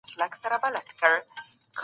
سياستپوهنه له تاريخ څخه هم ګټه اخلي.